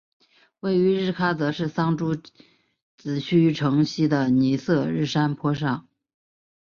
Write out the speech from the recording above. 位于日喀则市桑珠孜区城西的尼色日山坡上。